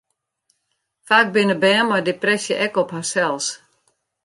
Faak binne bern mei depresje ek op harsels.